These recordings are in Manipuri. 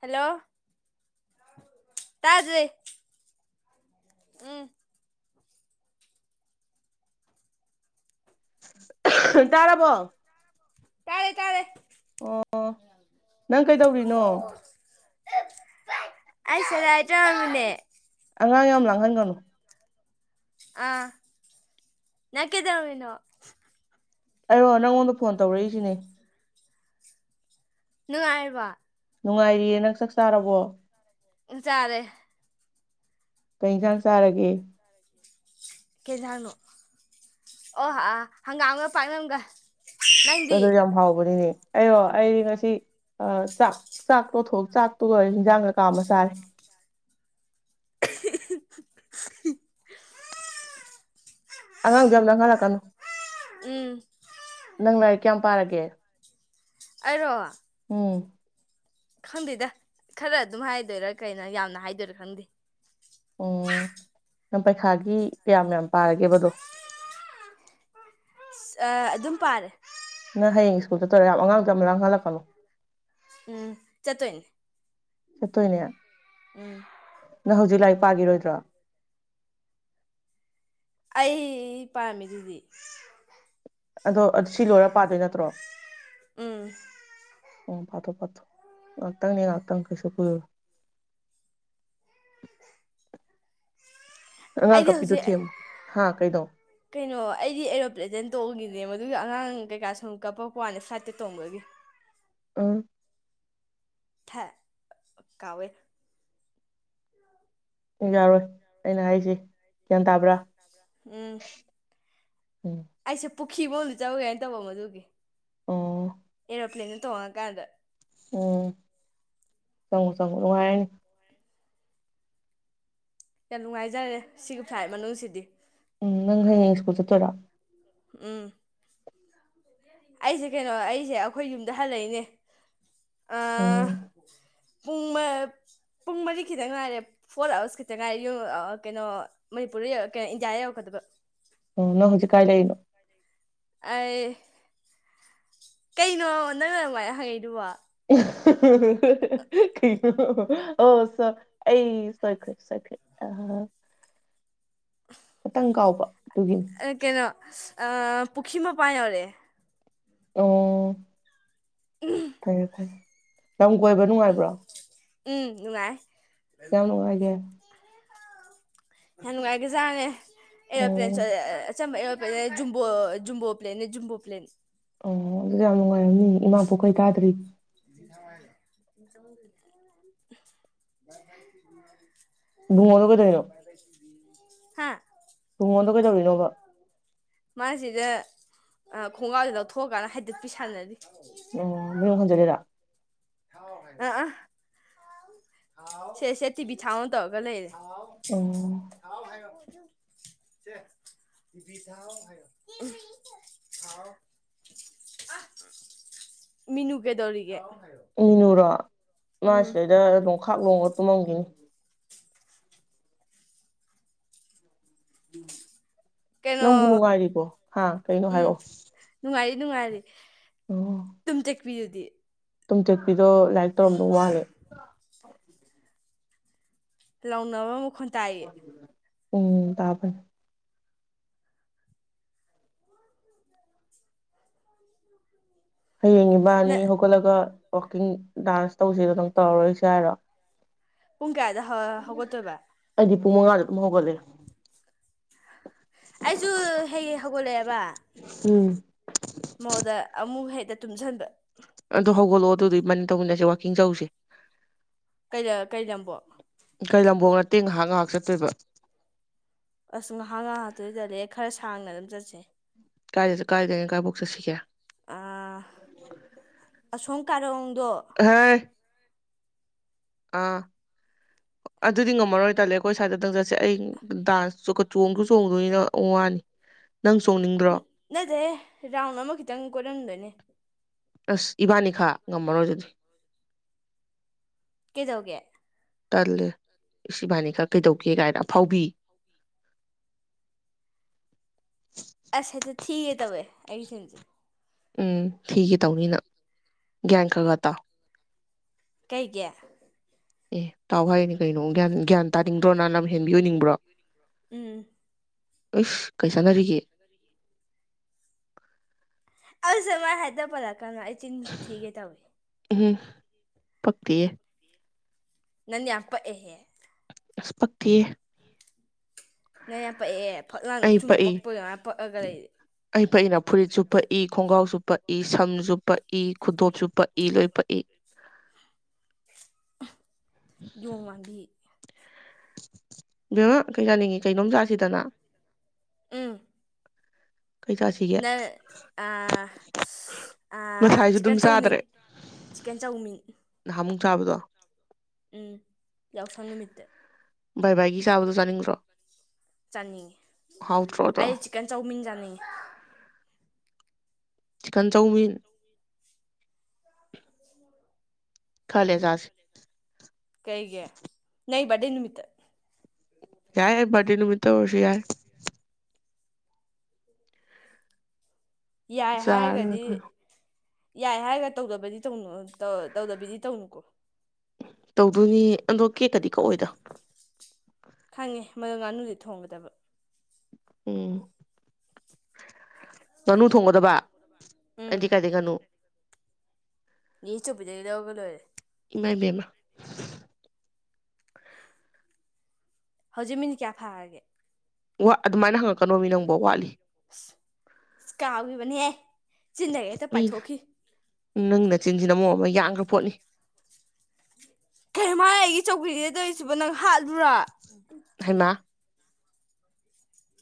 ꯍꯜꯂꯣ ꯇꯥꯗꯔꯦ ꯎꯝ ꯇꯥꯔꯕꯣ ꯇꯥꯔꯦ ꯇꯥꯔꯦ ꯅꯪ ꯀꯩꯗꯧꯔꯤꯅꯣ ꯑꯩ ꯁꯦ [unintelligible] ꯑꯉꯥꯡ ꯌꯥꯝ ꯂꯥꯡꯍꯟꯒꯅꯨ ꯑꯥ ꯅꯪ ꯀꯩꯗꯧꯔꯝꯃꯤꯅꯣ ꯑꯩꯔꯣ ꯅꯪꯉꯣꯟꯗ ꯐꯣꯟ ꯇꯧꯔꯛꯏꯅꯤꯅꯦ ꯅꯨꯡꯉꯥꯏꯔꯤꯕꯣ ꯅꯨꯡꯉꯥꯏꯔꯤꯌꯦ ꯅꯪ ꯆꯥꯛ ꯆꯥꯔꯕꯣ ꯆꯥꯔꯦ ꯀꯩ ꯍꯤꯟꯖꯥꯡ ꯆꯥꯔꯒꯦ ꯀꯦꯖꯥꯡꯅꯣ ꯑꯣ ꯑꯥ ꯍꯪꯒꯥꯝꯒ ꯄꯥꯛꯅꯝꯒ ꯅꯪꯗꯤ ꯑꯗꯨ ꯌꯥꯝ ꯍꯥꯎꯕꯅꯤꯅꯦ ꯑꯩꯔꯣ ꯑꯩ ꯉꯁꯤ ꯆꯥꯛ ꯆꯥꯛ ꯇꯣꯊꯣꯛ ꯆꯥꯛꯇꯨꯒ ꯍꯟꯖꯥꯡꯒ ꯀꯥ ꯑꯃ ꯆꯥꯔꯦ [unintelligible] ꯑꯉꯥꯡꯗꯨ ꯌꯥꯝ ꯂꯥꯡꯍꯜꯂꯛꯀꯅꯨ ꯎꯝ ꯅꯪ ꯂꯥꯏꯔꯤꯛ ꯀꯌꯥꯝ ꯄꯥꯔꯒꯦ ꯑꯩꯔꯣ ꯎꯝ ꯈꯪꯗ‌ꯦꯗ ꯈꯔ ꯑꯗꯨꯝ ꯍꯥꯏꯗꯣꯏꯔ ꯀꯩꯅꯣ ꯌꯥꯝꯅ ꯍꯥꯏꯗꯣꯏꯔꯥ ꯈꯪꯗꯦ ꯑꯣ ꯅꯪ ꯄꯩꯈꯥꯒꯤ ꯀꯌꯥꯝ ꯌꯥꯝ ꯄꯥꯔꯒꯦꯕ ꯑꯗꯣ ꯑꯁ ꯑ ꯑꯗꯨꯝ ꯄꯥꯔꯦ ꯅꯪ ꯍꯌꯦꯡ ꯏꯁꯀꯨꯜꯗ ꯆꯠꯇꫭꯏꯔ ꯑꯉꯥꯡꯗꯨ ꯌꯥꯝ ꯂꯥꯡꯍꯜꯂꯛꯀꯅꯣ ꯎꯝ ꯆꯠꯇꫭꯏꯅꯤ ꯆꯠꯇꯣꯏꯅꯦ ꯎꯝ ꯅꯪ ꯍꯧꯖꯤꯛ ꯂꯥꯏꯔꯤꯛ ꯄꯥꯈꯤꯔꯣꯏꯗ꯭ꯔꯣ ꯑꯩ ꯄꯥꯝꯃꯤꯗꯨꯗꯤ ꯑꯗꯣ ꯁꯤ ꯂꯣꯏꯔ ꯄꯥꯗꯣꯏ ꯅꯠꯇ꯭ꯔꯣ ꯎꯝ ꯎꯝ ꯄꯥꯠꯊꫭꯛ ꯄꯥꯠꯊꫭꯛ ꯉꯥꯏꯍꯥꯛꯇꯪꯅꯦ ꯉꯥꯏꯍꯥꯛꯇꯪ ꯀꯩꯁꯨ ꯀꯨꯏꯔꯨ ꯑꯉꯥꯡ ꯑꯩꯗꯤ ꯀꯞꯄꯤꯗꯨ ꯍꯧꯖꯤꯛ ꯊꯦꯝꯃꯨ ꯍꯥ ꯀꯩꯅꯣ ꯀꯩꯅꯣ ꯑꯩꯗꯤ ꯑꯦꯔꯣꯄ꯭ꯂꯦꯟꯗ ꯇꯣꯡꯉꯒꯤꯅꯦ ꯃꯗꯨꯒꯤ ꯑꯉꯥꯡ ꯀꯩꯀꯥ ꯁꯨꯝ ꯀꯞꯄꯛꯄ ꯋꯥꯅꯦ ꯐ꯭ꯂꯥꯏꯠꯇ ꯇꯣꯡꯕꯒꯤ ꯎꯝ ꯍꯦ [unintelligible] ꯀꯥꯎꯋꯦ ꯌꯥꯔꯣꯏ ꯑꯩꯅ ꯍꯥꯏꯔꯤꯁ‌ꯦ ꯒ꯭ꯌꯥꯟ ꯇꯥꯕ꯭ꯔꯥ ꯎꯝ ꯎꯝ ꯑꯩꯁꯦ ꯄꯨꯈ꯭ꯔꯤꯕ ꯑꯝꯗ ꯆꯧꯕꯨꯒꯦꯥꯏꯅ [unintelligible] ꯇꯧꯕ ꯃꯗꯨꯒꯤ ꯑꯣ ꯑꯦꯔꯣꯄ꯭ꯂꯦꯟꯗ ꯇꯣꯡꯉꯀꯥꯟꯗ ꯎꯝ ꯆꯪꯉꯣ ꯆꯪꯉꯣ ꯅꯨꯡꯉꯥꯏꯔꯅꯤ ꯌꯥꯝ ꯅꯨꯡꯉꯥꯏꯖꯥꯠꯅꯤ ꯁꯤꯒꯤ ꯐ꯭ꯂꯥꯏꯠ ꯃꯅꯨꯡꯁꯤꯗꯤ ꯎꯝ ꯅꯪ ꯍꯌꯦꯡ ꯁ꯭ꯀꯨꯜ ꯆꯠꯇꯣꯏꯔꯥ ꯎꯝ ꯑꯩꯁꯦ ꯀꯩꯅꯣ ꯑꯩꯁꯦ ꯑꯩꯈꯣꯏ ꯌꯨꯝꯗ ꯍꯜꯂꯛꯏꯅꯦ ꯑ ꯎꯝ ꯄꯨꯡ ꯃꯥ ꯄꯨꯡ ꯃꯔꯤ ꯈꯤꯇꯪ ꯉꯥꯏꯔꯦ ꯐꯣꯔ ꯑꯥꯋꯥꯔꯁ ꯈꯤꯇꯪ ꯉꯥꯏ ꯌꯨꯝ ꯀꯩꯅꯣ ꯃꯅꯤꯄꯨꯔꯗ ꯀꯣ ꯏꯟꯗꯤꯌꯥꯗ ꯌꯧꯔꯛꯀꯗꯕ ꯑꯣ ꯅꯪ ꯍꯧꯖꯤꯛ ꯀꯥꯏ ꯂꯩꯔꯤꯅꯣ ꯑꯩ ꯀꯩꯅꯣ ꯅꯪꯅ ꯑꯗꯨꯃꯥꯏꯅ ꯍꯪꯉꯛꯏꯗꯨꯕꯣ ꯑꯣꯁ [unintelligible] ꯑꯩ ꯁꫭꯏꯈꯔ‌ꯦ ꯁꯣꯏꯈꯔ‌ꯦ ꯑꯥ ꯈꯤꯇꯪ ꯀꯥꯎꯕ ꯑꯗꯨꯒꯤ ꯀꯩꯅꯣ ꯄꯨꯈꯤ ꯃꯄꯥꯟ ꯌꯧꯔꯛꯑ‌ꯦ ꯑꫭ ꯎꯝ ꯐꯔꯦ ꯐꯔꯦ ꯂꯝ ꯀꯣꯏꯕ ꯅꯨꯡꯉꯥꯏꯕ꯭ꯔꯣ ꯎꯝ ꯅꯨꯡꯉꯥꯏ ꯀꯌꯥꯝ ꯅꯨꯡꯉꯥꯏꯒꯦ ꯌꯥꯝ ꯅꯨꯡꯉꯥꯏꯒꯦꯖꯥꯠꯅꯦ ꯑꯣ ꯑꯦꯔꯣꯄ꯭ꯂꯦꯟ ꯆꯠꯂ‌ꯦ ꯑꯆꯝꯕ ꯑ‌ꯦꯔꫭ ꯖꯨꯝꯕꫭ ꯖꯨꯝꯕꯣ ꯄ꯭ꯂꯦꯜꯅꯦ ꯖꯨꯝꯕꯣ ꯄ꯭ꯂꯦꯜ ꯑꯣ ꯑꯗꯨ ꯌꯥꯝ ꯅꯨꯡꯉꯥꯏꯔꯝꯅꯤꯌ‌ꯦ ꯏꯃꯥ ꯄꯣꯛꯄꯗꯩ ꯇꯥꯗ꯭ꯔꯤ [unintelligible] [unintelligible] ꯕꯨꯡꯉꫭꯗꫭ ꯀꯩꯗꯧꯔꯤꯅꫭ ꯍꯥꯥ ꯀꯨꯡꯉꯣꯟꯗꯣ ꯀꯩꯗꯧꯔꯤꯅꯣꯕ ꯃꯥꯁꯤꯗ ꯈꯣꯡꯒ꯭ꯔꯥꯎꯁꯤ ꯂꯧꯊꯣꯛꯀꯥꯟ ꯍꯥꯏꯗꯠꯄꯤ ꯁꯥꯟꯅꯔꯤ ꯑꯣ ꯃꯌꯨꯡ ꯍꯟꯖꯤꯟꯂꯤꯔ ꯑꯥ ꯑꯥ ꯁꯦ ꯁꯦ ꯇꯤꯕꯤ ꯊꯥꯥꯎ ꯇꯧꯔꯒ ꯂꯩ ꯑꯣ [unintelligible] ꯃꯤꯅꯨ ꯀꯩꯗꯧꯔꯤꯒꯦ ꯃꯤꯅꯨꯔꯣ ꯎꯝ ꯃꯥꯁꯤꯗꯩꯗ ꯂꯣꯡꯈꯥꯛ ꯂꯣꯡꯒ ꯇꯨꯝꯃꯝꯒꯤꯅꯤ ꯅꯪꯕꯨ ꯀꯩꯅꯣ ꯅꯨꯡꯉꯥꯏꯔꯤꯕꯣ ꯍꯥ ꯀꯩꯅꯣ ꯎꯝ ꯍꯥꯏꯔꯛꯑꯣ ꯅꯨꯡꯉꯥꯏꯔꯤ ꯅꯨꯡꯉꯥꯏꯔꯤ ꯇꯨꯝ ꯇꯦꯛꯄꯤꯗꯨꯗꯤ ꯇꯨꯝ ꯇꯦꯛꯄꯤꯗꯣ ꯂꯥꯏꯔꯤꯛ ꯇꯧꯔꯝꯗꯧ ꯃꯥꯜꯂꯦ ꯂꯥꯎꯅꯕ ꯃꯈꯣꯟ ꯇꯥꯏꯌꯦ ꯎꯝ ꯇꯥꯕꯔ ꯍꯌꯦꯡ ꯅ ꯏꯕꯥꯅꯤ ꯍꯧꯒꯠꯂꯒ ꯋꯥꯛꯀꯤꯡ ꯗꯥꯟꯁ ꯇꯧꯁꯦꯗꯨ ꯗꯨꯝ ꯇꯧꯔꯔꯣꯏꯁꯦ ꯍꯥꯏꯔꯣ ꯄꯨꯡ ꯀꯌꯥꯗ ꯍ ꯍꯧꯒꯠꯇꯣꯏꯕ ꯑꯩꯗꯤ ꯄꯨꯡ ꯃꯉꯥꯗ ꯑꯗꯨꯝ ꯍꯧꯒꯠꯂꯦ ꯑꯩꯁꯨ ꯍꯦꯛ ꯍꯧꯒꯠꯂꯛꯑꯦꯕ ꯎꯝ ꯃꯣꯗ ꯑꯃꯨꯛ ꯍꯦꯛꯇ ꯇꯨꯝꯁꯟꯕ ꯑꯗꯣ ꯍꯧꯒꯠꯂꯛꯑꯣ ꯑꯗꯨꯗꯤ ꯃꯟꯅ ꯇꯧꯃꯤꯟꯅꯁꯦ ꯋꯥꯥꯛꯀꯤꯡ ꯆꯧꯁꯦ ꯀꯩꯂꯔ ꯀꯩ ꯂꯝꯕꯣ ꯀꯩ ꯂꯝꯕꯣꯡ ꯅꯠꯇꯦ ꯉꯥꯏꯍꯥꯛ ꯉꯥꯏꯍꯥꯛ ꯆꯠꯇꯣꯏꯕ ꯑꯁ ꯉꯥꯏꯍꯥꯛ ꯉꯥꯏꯍꯥꯛꯇꯣꯏꯗꯗꯤ ꯈꯔ ꯁꯥꯡꯅ ꯑꯗꯨꯝ ꯆꯠꯁꯦ ꯀꯥꯏꯗ ꯀꯥꯏꯗꯅꯩꯅ ꯀꯥꯏꯐꯥꯎ ꯆꯠꯁꯤꯒꯦ ꯑꯥ ꯑꯁꯣꯝ ꯀꯥꯔꯣꯡꯗꯣ ꯍꯥꯏ ꯑꯥ ꯑꯗꯨꯗꯤ ꯉꯝꯃꯔꯣꯏ ꯇꯥꯜꯂꯦ ꯑꯩꯈꯣꯏ ꯁꯥꯏꯗꯗꯪ ꯆꯠꯁꯦ ꯑꯩ ꯗꯥꯟꯁ ꯆꯣꯡꯁꯨ ꯆꯣꯡꯗꯣꯏꯅ ꯋꯥꯅꯤ ꯅꯪ ꯆꯣꯡꯅꯤꯡꯗ꯭ꯔꯣ ꯅꯗꯦ ꯔꯥꯎꯟ ꯑꯃ ꯈꯤꯇꯪ ꯀꯣꯏꯔꯝꯗꯣꯏꯅꯦ ꯑꯁ ꯏꯕꯥꯅꯤ ꯈꯛ ꯉꯝꯃꯔꯣꯏ ꯑꯗꯨꯗꯤ ꯀꯩꯗꯧꯒꯦ ꯇꯜꯂꯦ ꯁꯤꯕꯥꯅꯤ ꯈꯔ ꯀꯩꯗꯧꯒꯦ ꯀꯥꯏꯅ ꯑꯐꯥꯎꯕꯤ [unintelligible] ꯊꯤꯒꯦ ꯇꯧꯋꯦ ꯑꯩ [unintelligible] ꯎꯝ ꯊꯤꯒꯦ ꯇꯧꯅꯤꯅ ꯒ꯭ꯌꯥꯟ ꯈꯥ ꯈꯥ ꯇꯥꯎ ꯀꯩꯒꯤ ꯑꯦ ꯇꯥꯎ ꯍꯥꯏꯔꯤꯅꯤ ꯀꯩꯅꯣꯌꯥꯟ ꯒ꯭ꯌꯥꯟ ꯇꯥꯅꯤꯡꯗ꯭ꯔꯣꯅ ꯂꯝ ꯍꯦꯟꯕꯤ ꯑꯣꯏꯅꯤꯡꯕ꯭ꯔꯣ ꯎꯝ ꯑꯦꯁ ꯀꯩ ꯆꯥꯟꯅꯔꯤꯒꯦ [inaudible] ꯑꯩ ꯆꯤꯟ ꯊꯤꯒꯦ ꯇꯧꯏ ꯎꯝ ꯄꯥꯛꯇꯦ ꯅꯪꯗꯤ ꯌꯥꯝ ꯄꯥꯛ ꯑ ꯍꯦ ꯑꯁ ꯄꯛꯇꯦ ꯅꯪ ꯌꯥꯝ ꯄꯛꯑꯦ ꯐꯛ ꯂꯥꯡꯅ ꯑꯩ ꯆꯨꯝ ꯄꯛꯏ ꯄꯛꯄ ꯑꯗꯨꯃꯥꯏꯅ ꯄꯛꯑꯒ ꯂꯩ ꯑꯩ ꯄꯥꯛꯏꯅꯥ ꯐꯨꯔꯤꯠ ꯆꯨꯄꯛꯏ ꯈꯣꯡꯒ꯭ꯔꯥꯎ ꯆꯨꯄꯛꯏ ꯁꯝ ꯆꯨꯄꯛꯏ ꯈꯨꯇꯣꯞ ꯆꯨꯄꯛꯏ ꯂꯣꯏ ꯄꯛꯏ ꯌꯣꯡꯃꯥꯟꯕꯤ ꯕꯦꯝꯃꯥ ꯀꯩ ꯆꯥꯅꯤꯡꯉꯤ ꯀꯩꯅꯣꯝ ꯆꯥꯁꯤꯗꯅ ꯎꯝ ꯀꯩ ꯆꯥꯁꯤꯒꯦ ꯅꯪ ꯑꯥ ꯉꯁꯥꯏꯁꯨ ꯑꯗꯨꯝ ꯆꯤꯀꯟ ꯆꯧꯃꯤꯟ ꯆꯤꯛꯀꯟ ꯆꯧꯃꯤꯟ ꯅꯍꯥꯃꯨꯛ ꯆꯥꯕꯗꯣ ꯎꯝ ꯌꯥꯎꯁꯪ ꯅꯨꯃꯤꯠꯇ ꯕꯥꯏ ꯕꯥꯏꯒꯤ ꯆꯥꯕꯗꯣ ꯆꯥꯅꯤꯡꯗ꯭ꯔꯣ ꯆꯥꯅꯤꯡꯉꯤ ꯍꯥꯎꯇ꯭ꯔꯣꯗꯣ ꯑꯩ ꯆꯤꯛꯀꯟ ꯆꯧꯃꯤꯟ ꯆꯥꯅꯤꯡꯉꯤ ꯆꯤꯀꯟ ꯆꯧꯃꯤꯟ [inaudible] ꯈꯔ ꯂꯩꯔ ꯆꯥꯁꯦ ꯀꯩꯒꯤ ꯅꯪꯒꯤ ꯕ꯭ꯔꯗꯦ ꯅꯨꯃꯤꯠꯇ ꯌꯥꯏ ꯑꯩ ꯕ꯭ꯔꯗꯦ ꯅꯨꯃꯤꯠꯇ ꯑꯣꯏꯔꯁꯨ ꯌꯥꯏ ꯌꯥꯏ ꯆꯥꯔ ꯂꯣꯏꯔꯦ ꯍꯥꯏꯔꯒꯗꯤ ꯀꯩꯅꯣ ꯌꯥꯏ ꯍꯥꯏꯔꯒ ꯇꯧꯗꯕꯗꯤ ꯇꯧꯅꯨ ꯇꯧꯗꯕꯤꯗꯤ ꯇꯧꯅꯨꯀꯣ ꯇꯧꯗꯨꯅꯤ ꯑꯗꯣ ꯀꯦꯛꯀꯗꯤ ꯀꯛꯑꯣꯏꯗ ꯈꯪꯉꯦ ꯃꯗꯨ ꯉꯥꯅꯨꯗꯤ ꯊꯣꯡꯒꯗꯕ ꯎꯝ ꯉꯥꯅꯨ ꯊꯣꯡꯒꯗꯕ ꯎꯝ ꯑꯩꯗꯤ ꯀꯥꯏꯗꯩ ꯉꯥꯅꯨ ꯅꯦ ꯆꯧꯕꯤꯗꯒꯤ ꯂꯧꯔ ꯂꯣꯏꯔꯦ ꯏꯃꯥꯏ ꯕꯦꯝꯃ ꯍꯧꯖꯤꯛ ꯃꯤꯅꯤꯠ ꯀꯌꯥ ꯐꯥꯔꯒꯦ ꯋꯥ ꯑꯗꯨꯃꯥꯏꯅ ꯍꯪꯉꯛꯀꯅꯣ ꯃꯤ ꯅꯪꯕꯨ ꯋꯥꯠꯂꯤ ꯑꯁ ꯀꯥꯎꯈꯤꯕꯅꯤꯍꯦ ꯆꯤꯟꯗꯒ ꯍꯦꯛꯇ ꯃꯤꯅ ꯄꯥꯏꯊꯣꯛꯈꯤ ꯅꯪ ꯅꯆꯤꯟꯁꯤꯅ ꯃꯔꯣꯜ ꯑꯃ ꯌꯥꯡꯈ꯭ꯔ ꯄꯣꯠꯅꯤ ꯀꯩꯅꯣ ꯃꯥꯅ ꯑꯩꯒꯤ ꯆꯧꯀ꯭ꯔꯤꯁꯥꯗ ꯇꯧꯔꯤꯁꯤꯕꯣ ꯅꯪ ꯍꯥꯠꯂꯨꯔꯥ [inaudible] ꯍꯩꯃꯥ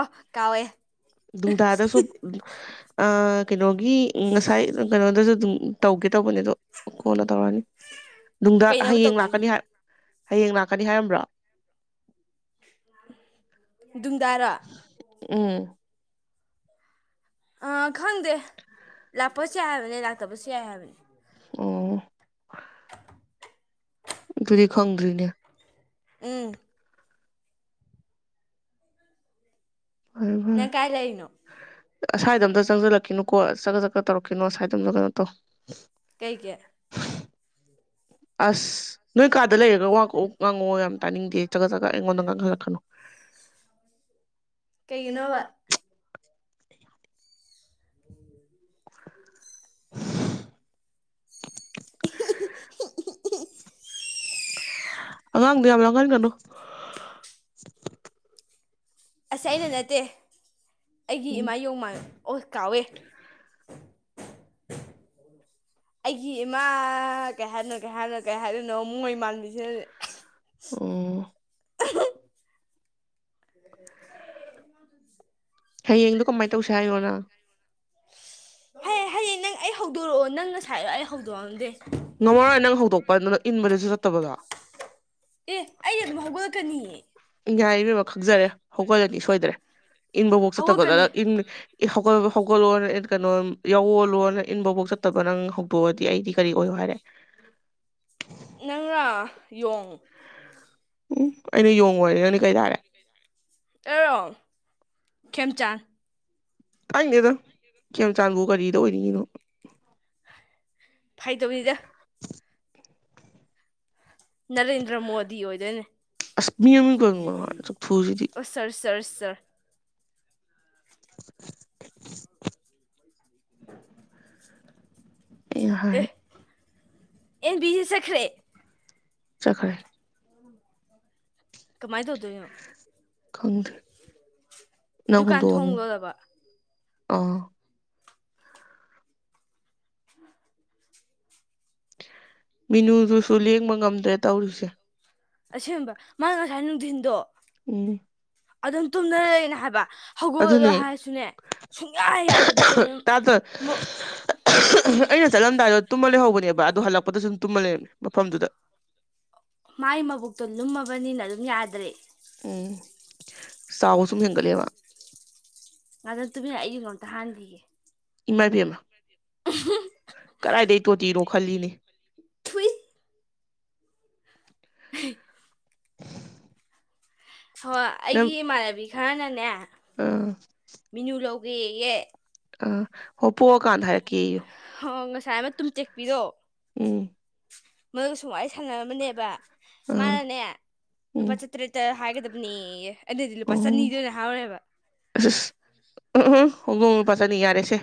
ꯑꯣ ꯀꯥꯎꯋꯦ ꯗꯨꯡꯗꯥꯥꯗꯁꯨ ꯑ ꯀꯩꯅꯣꯒꯤ ꯉꯁꯥꯏ ꯀꯩꯅꯣꯗꯁꯨ ꯑꯗꯨꯝ ꯇꯧꯒꯦ ꯇꯧꯕꯅꯦ ꯑꯗꯣ ꯀꯣꯟꯅ ꯇꯧꯔꯅꯤ ꯗꯨꯡꯗꯥ ꯀꯩꯅꯣꯕ ꯍꯌꯦꯡ ꯇꯧꯗꯣꯏꯁꯦ ꯂꯥꯛꯀꯅꯤ ꯍꯌꯦꯡ ꯂꯥꯛꯀꯅꯤ ꯍꯥꯏꯔꯝꯕ꯭ꯔꯣ ꯗꯨꯡꯗꯥꯔꯣ ꯎꯝ ꯑꯥ ꯈꯪꯗꯦ ꯂꯥꯛꯄꯁꯨ ꯌꯥꯏ ꯍꯥꯏꯕꯅꯤ ꯂꯥꯛꯇꯕꯁꯨ ꯌꯥꯏ ꯍꯥꯏꯕꯅꯤ ꯑꯣ [inaudible] ꯑꯗꯨꯗꯤ ꯈꯪꯗ꯭ꯔꯤꯅꯦ ꯎꯝ ꯅꯪ ꯀꯥꯏ ꯂꯩꯔꯤꯅꯣ [unintelligible] ꯑꯁꯥꯏꯗ ꯑꯝꯇ ꯆꯪꯁꯤꯜꯂꯛꯈꯤꯅꯨꯀꯣ ꯆꯒ ꯆꯒꯠ ꯇꯧꯔꯛꯈꯤꯅꯣ ꯑꯁꯥꯏꯗ ꯑꯝꯇ ꯀꯩꯅꯣ ꯇꯧ ꯀꯩꯒꯤ ꯑꯁ ꯅꯣꯏ ꯀꯥꯗ ꯂꯩꯔꯒ ꯋꯥ ꯀꯛꯎ ꯉꯥꯡꯉꯛꯑꯣ ꯌꯥꯝ ꯇꯥꯅꯤꯡꯗꯦ ꯆꯒꯠ ꯆꯒꯠ ꯑꯩꯉꯣꯟꯗ ꯉꯥꯡꯍꯜꯂꯛꯀꯅꯨ ꯀꯩꯒꯤꯅꯣꯕ [inaudible] [unintelligible] ꯑꯉꯥꯡꯗꯣ ꯌꯥꯝ ꯂꯥꯡꯍꯟꯒꯅꯨ ꯑꯁ ꯑꯩꯅ ꯅꯠꯇꯦ ꯑꯩꯒꯤ ꯎꯝ ꯏꯃꯥ ꯌꯣꯡꯃꯥ ꯀꯥꯎꯋꯦ ꯑꯩꯒꯤ ꯏꯃꯥ ꯀꯩ ꯍꯥꯏꯗꯅꯣ ꯀꯩ ꯍꯥꯏꯅꯣ ꯀꯩ ꯍꯥꯏꯗꯣꯏꯅꯣ ꯃꯣꯏ ꯃꯥꯟꯕꯤꯁꯤꯅꯅꯦ ꯑꯣ [inaudible] ꯍꯌꯦꯡꯗꯣ ꯀꯃꯥꯏꯅ ꯇꯧꯁꯤ ꯍꯥꯏꯅꯣꯅꯪ ꯍꯌꯦ ꯍꯌꯦꯡ ꯅꯪ ꯑꯩ ꯍꯧꯗꯣꯔꯛꯑꯣ ꯅꯪ ꯉꯁꯥꯏ ꯑꯩ ꯍꯧꯗꯣꯛꯑꯝꯗꯦ ꯉꯝꯃꯔꯣꯏ ꯅꯪ ꯍꯧꯗꯣꯛꯄ ꯗꯨꯅ ꯏꯟꯕꯗꯁꯨ ꯆꯠꯇꯕꯗꯣ ꯑꯦ ꯑꯩ ꯑꯗꯨꯝ ꯍꯧꯒꯠꯂꯛꯀꯅꯤꯌꯦ ꯌꯥꯏ ꯏꯕꯦꯝꯃ ꯈꯪꯖꯔꯦ ꯍꯧꯒꯠꯂꯅꯤ ꯁꯣꯏꯗ꯭ꯔꯦ ꯏꯟꯕꯐꯥꯎ ꯆꯠꯇꯕꯗ ꯍꯧꯒꯠꯀꯅꯤ ꯅ ꯏꯟ ꯍꯧꯒꯠ ꯍꯧꯒꯠꯂꯣꯅ ꯀꯩꯅꯣ ꯌꯥꯎꯑꯣꯜꯂꯣꯅ ꯏꯟꯐꯥꯎꯕꯥꯎ ꯆꯠꯇꯕ ꯅꯪ ꯍꯧꯗꯣꯛꯑꯣ ꯑꯦ ꯑꯩꯗꯤ ꯀꯔꯤ ꯑꯣꯏꯌꯣ ꯍꯥꯏꯔꯦ ꯅꯪꯔꯥ ꯌꯣꯡ ꯎꯝ ꯑꯩꯅ ꯌꯣꯡ ꯑꯣꯢꯔ ꯅꯪꯅ ꯀꯔꯤ ꯇꯥꯔꯦ ꯑꯩꯔꯣ ꯈꯦꯝꯆꯥꯟ ꯇꯅꯤꯡꯗꯦꯗ ꯈꯦꯝꯆꯥꯟꯕꯨ ꯀꯔꯤꯗ ꯑꯣꯏꯅꯤꯡꯉꯤꯅꯣ ꯐꯥꯏꯗꯧꯅꯤꯗ ꯅꯔꯦꯟꯗ꯭ꯔ ꯃꯣꯗꯤ ꯑꯣꯏꯗꯣꯏꯅꯦ ꯑꯁ ꯃꯤ ꯑꯃꯅꯤ ꯀꯩꯅꯣ ꯆꯥꯛꯊꯨꯁꯤꯗꯤ ꯑ ꯁꯔ ꯁꯔꯔ ꯑꯩꯅ ꯑꯦ ꯍꯥꯏ ꯑꯦꯟ ꯕꯤꯖꯤ ꯆꯠꯈ꯭ꯔꯦ ꯆꯈ꯭ꯔꯦ ꯀꯃꯥꯏ ꯇꯧꯗꯣꯢꯅꯣ ꯈꯪꯗ꯭ꯔꯦ ꯅꯪ ꯗꯨꯀꯥꯟ ꯍꯨꯟꯇꯣꯑꯝ ꯊꯣꯡ ꯂꯣꯜꯂꯕ ꯑꯥ [unintelligible] ꯃꯤꯅꯨꯗꯨꯁꯨ ꯂꯦꯡꯕ ꯉꯝꯗ꯭ꯔꯦ ꯇꯧꯔꯤꯁꯦ ꯑꯁꯦꯡꯕ ꯃꯥ ꯉꯁꯥꯏ ꯅꯨꯡꯊꯤꯟꯗꯣ ꯎꯝ ꯑꯗꯨꯝ ꯇꯨꯝꯗꯅ ꯂꯩꯔꯤꯅꯤꯕ ꯍꯥꯏꯕ ꯍꯧꯒꯠꯂꯣ ꯑꯗꯨꯅꯦ ꯍꯥꯏꯔꯁꯨꯅꯦ ꯁꯨꯡꯌꯥ ꯌꯥꯗꯕꯤ ꯀꯩꯅꯣ ꯇꯥꯗ ꯑꯩꯅ ꯆꯠꯂꯝꯗꯥꯏꯗ ꯇꯨꯝꯃ ꯂꯩꯍꯧꯕꯅꯦꯕ ꯑꯗꯨꯗ ꯍꯜꯂꯛꯄꯗꯁꯨ ꯁꯨꯝ ꯇꯨꯝꯃ ꯂꯩꯔꯝꯃꯦ ꯃꯐꯝꯗꯨꯗ ꯃꯥꯏ ꯃꯕꯨꯛꯇꯣ ꯂꯨꯝꯃꯕꯅꯤꯅ ꯑꯗꯨꯝ ꯌꯥꯗ꯭ꯔꯦ ꯎꯝ ꯆꯥꯎꯕ ꯁꯨꯝ ꯍꯦꯟꯒꯠꯂꯦꯕ ꯉꯥꯛꯇ ꯇꯨꯃꯤꯟ ꯂꯩꯌꯣ ꯑꯩ ꯌꯨꯡ ꯃꯨꯛꯇ ꯍꯥꯟꯈꯤꯒꯦ ꯏꯃꯥꯢꯕꯦꯝꯃ ꯀꯗꯥꯏꯗꯒꯤ ꯇꯣꯇꯤꯅꯣ ꯈꯜꯂꯤꯅꯦ ꯊꯨꯏ ꯍꯣꯏ ꯑꯩꯒꯤ ꯏꯃꯥꯟꯅꯕꯤ ꯈꯔꯅꯅꯦ ꯑꯥ ꯃꯤꯅꯨ ꯂꯧꯒꯦꯌꯦ ꯑ ꯍꯣꯏ ꯄꯣꯛꯑꯀꯥꯟꯗ ꯍꯥꯏꯔꯛꯀꯦꯌꯨ ꯍꯣ ꯉꯁꯥꯏ ꯑꯃ ꯇꯨꯝ ꯇꯦꯛꯄꯤꯗꯣ ꯎꯝ ꯃꯗꯨ ꯁꯨꯝ ꯋꯥꯔꯤ ꯁꯥꯟꯅꯔꯝꯝꯕꯅꯦꯕ ꯑ ꯃꯥꯅꯅꯦ ꯎꯝ ꯂꯨꯄꯥ ꯆꯥꯇ꯭ꯔꯦꯠꯇ ꯍꯥꯏꯒꯗꯕꯅꯦꯑꯦ ꯑꯩꯅꯗꯤ ꯂꯨꯄꯥ ꯆꯅꯤꯗ ꯑꯣꯏꯅ ꯍꯥꯏꯔꯦꯕ ꯑ ꯑꯁ ꯎꯝ ꯎ ꯍꯧꯗꯣꯡ ꯂꯨꯄꯥ ꯆꯥꯅꯤ ꯌꯥꯔꯦꯁꯦ